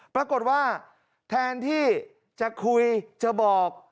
ปรากฏว่าแทนที่จะคุยจะบอก